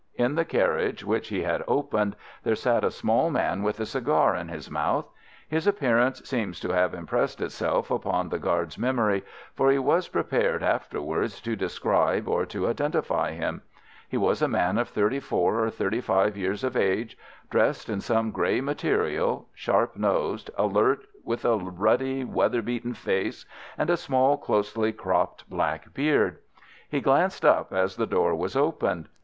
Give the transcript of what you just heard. In the carriage, which he had opened, there sat a small man with a cigar in his mouth. His appearance seems to have impressed itself upon the guard's memory, for he was prepared, afterwards, to describe or to identify him. He was a man of thirty four or thirty five years of age, dressed in some grey material, sharp nosed, alert, with a ruddy, weather beaten face, and a small, closely cropped black beard. He glanced up as the door was opened.